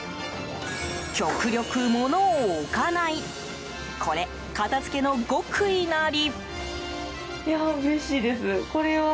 極力物を置かないこれ片付けの極意なり。